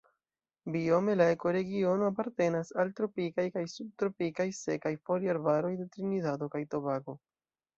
Biome la ekoregiono apartenas al tropikaj kaj subtropikaj sekaj foliarbaroj de Trinidado kaj Tobago.